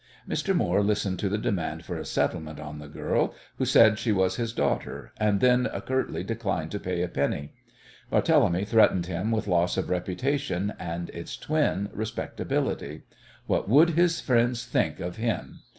Mr. Moore listened to the demand for a settlement on the girl who said she was his daughter and then curtly declined to pay a penny. Barthélemy threatened him with loss of reputation and its twin, respectability. What would his friends think of him?